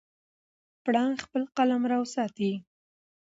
پړانګ خپل قلمرو ساتي.